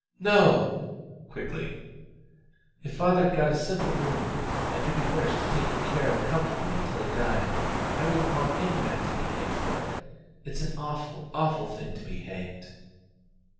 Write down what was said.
"No!" (quickly). "If father'd got a simple wound, and could be nursed and taken care of comfortably until he died, I wouldn't want any man to be hanged for it. It's an awful, awful thing to be hanged."